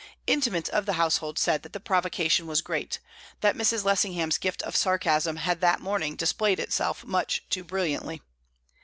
Intimates of the household said that the provocation was great that Mrs. Lessingham's gift of sarcasm had that morning displayed itself much too brilliantly.